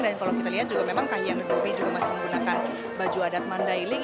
dan kalau kita lihat juga memang kahiyang renufi juga masih menggunakan baju adat mandailing